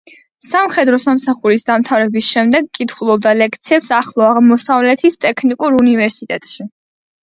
სამხედრო სამსახურის დამთავრების შემდეგ კითხულობდა ლექციებს ახლო აღმოსავლეთის ტექნიკურ უნივერსიტეტში.